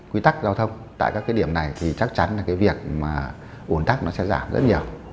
quy tắc giao thông tại các cái điểm này thì chắc chắn là cái việc mà ủn tắc nó sẽ giảm rất nhiều